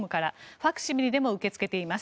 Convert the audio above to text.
ファクシミリでも受け付けています。